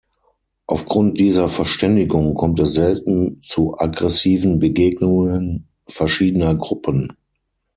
Aufgrund dieser Verständigung kommt es selten zu aggressiven Begegnungen verschiedener Gruppen.